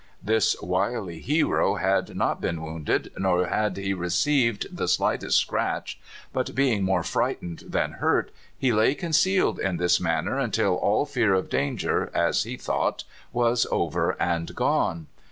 This wily hero had not been wounded, nor had he received the slightest scratch, but, being more frightened than hurt, he lay concealed in this manner until all fear of danger, as he thought, was over and gone.